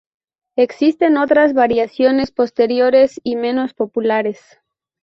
Existen otras variaciones posteriores y menos populares.